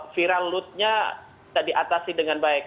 viral loadnya bisa diatasi dengan baik